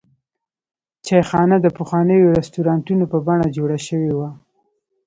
چایخانه د پخوانیو رسټورانټونو په بڼه جوړه شوې وه.